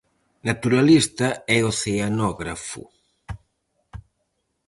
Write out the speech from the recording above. Naturalista e oceanógrafo.